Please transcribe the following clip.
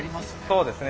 そうですね。